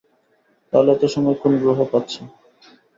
তাহলে এত সময় কোন গ্রহ পাচ্ছে?